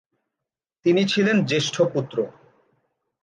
তিনি ছিলেন জ্যেষ্ঠ পুত্র।